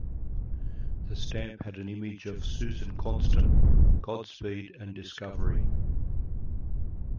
The stamp had an image of "Susan Constant", "Godspeed", and "Discovery".